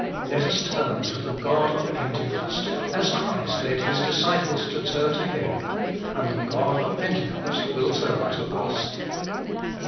Let us turn to the God of Pentecost, as Christ led His disciples to turn to Him, and the God of Pentecost will turn to us.